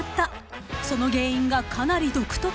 ［その原因がかなり独特で］